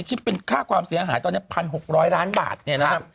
คิดเป็นค่าความเสียหายตอนนี้๑๖๐๐ล้านบาทเนี่ยนะครับ